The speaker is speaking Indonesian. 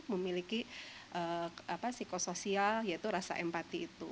memiliki psikosoial yaitu rasa empati itu